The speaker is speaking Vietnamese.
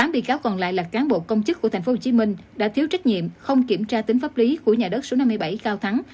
tám bị cáo còn lại là cán bộ công chức của tp hcm đã thiếu trách nhiệm không kiểm tra tính pháp lý của nhà đất số năm mươi bảy cao thắng